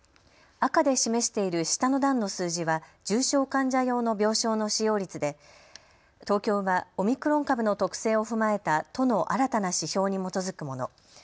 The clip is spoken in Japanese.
赤で示している下の段の数字は重症患者用の病床の使用率で東京はオミクロン株の特性を踏まえた都の新たな指標に基づくもの。